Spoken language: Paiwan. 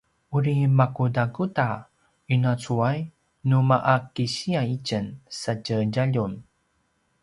uri makudakuda ina cuay nu ma’a kisiya itjen sa tje djaljun?